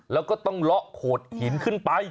แล้วก็ต้องเลาะโขดหินขึ้นไป